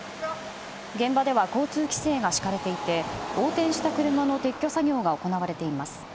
現場では交通規制が敷かれていて横転した車の撤去作業が行われています。